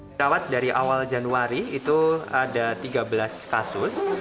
dirawat dari awal januari itu ada tiga belas kasus